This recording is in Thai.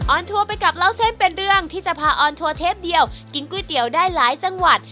อนทัวร์ไปกับเล่าเส้นเป็นเรื่องที่จะพาออนทัวร์เทปเดียวกินก๋วยเตี๋ยวได้หลายจังหวัด